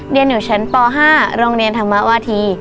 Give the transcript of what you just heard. เรียนอยู่ชั้นป๕โรงเรียนธรรมวาธี